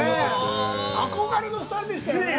憧れの２人でしたよね。